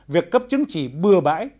việc cấp chứng chỉ bừa bãi